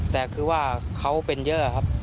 แต่คือว่าเขาเป็นเยอะครับ